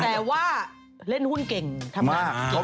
แต่ว่าเล่นหุ้นเก่งทำงานเก่ง